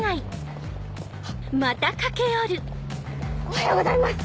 おはようございます！